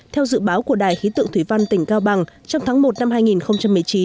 theo dự báo của đài khí tượng thủy văn tỉnh cao bằng trong tháng một năm hai nghìn một mươi chín